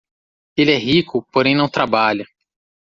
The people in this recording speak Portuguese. Ele é rico, porém não trabalha.